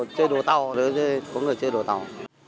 chơi đồ tàu thì có người chơi đồ tàu